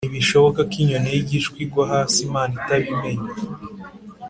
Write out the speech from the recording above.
ntibishoboka ko inyoni y’igishwi igwa hasi imana itabimenye